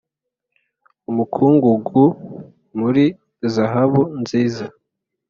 umukungugu muri zahabu nziza